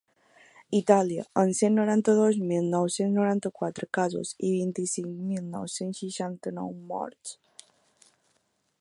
Itàlia, amb cent noranta-dos mil nou-cents noranta-quatre casos i vint-i-cinc mil nou-cents seixanta-nou morts.